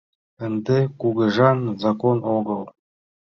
Ынде кугыжан закон огыл.